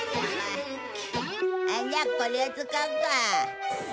じゃあこれを使うか。